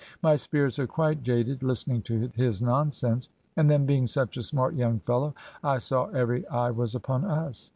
My spirits are quite jaded, listening to his nonsense; and then being such a smart young fellow, I saw every eye was upon us.'